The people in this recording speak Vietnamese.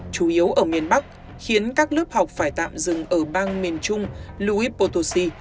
chủ yếu ở miền bắc khiến các lớp học phải tạm dừng ở bang miền trung louis potosi